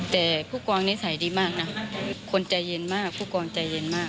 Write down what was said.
แต่ผู้กองนิสัยดีมากนะคนใจเย็นมากผู้กองใจเย็นมาก